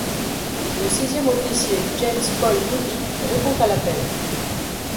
Le sixième officier James Paul Moody répond à l'appel.